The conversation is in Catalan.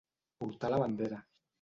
Portar la bandera.